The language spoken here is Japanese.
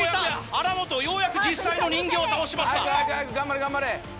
荒本ようやく実際の人形を倒しました。